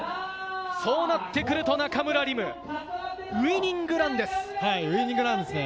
そうなってくると中村輪夢、ウイニングランです。